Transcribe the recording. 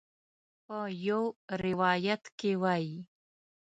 په یو روایت کې وایي.